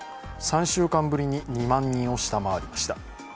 ３週間ぶりに２万人を下回りました。